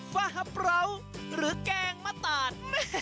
ฟ้าพร้าวหรือแกงมะตาด